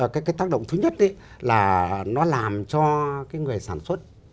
cái tác động thứ nhất là nó làm cho cái người sản xuất